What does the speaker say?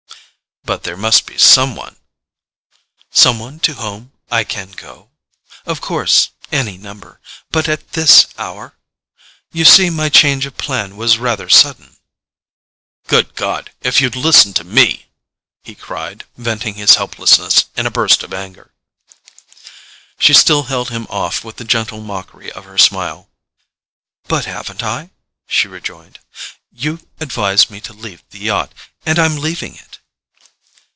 "But there must be some one——" "Some one to whom I can go? Of course—any number—but at THIS hour? You see my change of plan was rather sudden——" "Good God—if you'd listened to me!" he cried, venting his helplessness in a burst of anger. She still held him off with the gentle mockery of her smile. "But haven't I?" she rejoined. "You advised me to leave the yacht, and I'm leaving it."